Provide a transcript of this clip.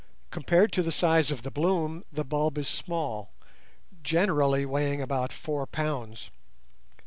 Compared to the size of the bloom, the bulb is small, generally weighing about four pounds.